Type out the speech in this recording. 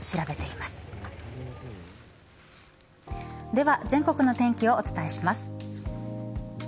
では全国の天気をお伝えします。